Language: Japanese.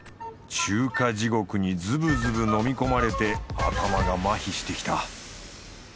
中華地獄にズブズブ飲み込まれて頭がまひしてきた